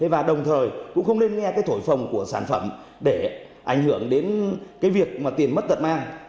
và đồng thời cũng không nên nghe cái thổi phòng của sản phẩm để ảnh hưởng đến cái việc mà tiền mất tật mang